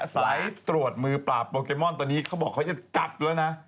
สายตรวจมือปราบโปเกมอนตอนนี้เขาบอกเขาจะจับแล้วนะ